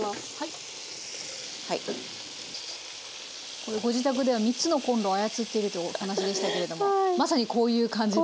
これご自宅では３つのコンロを操っているというお話でしたけれどもまさにこういう感じで。